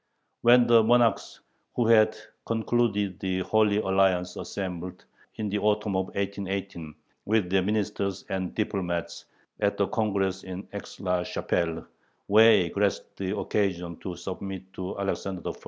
When the monarchs who had concluded the Holy Alliance assembled, in the autumn of 1818, with their ministers and diplomats at the Congress in Aix la Chapelle, Way grasped the occasion to submit to Alexander I.